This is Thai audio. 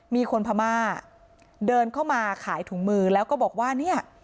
มีคนพม่าเดินเข้ามาขายถุงมือแล้วก็บอกว่าเนี่ย